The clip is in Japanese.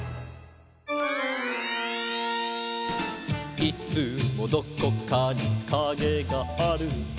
「いつもどこかにカゲがある」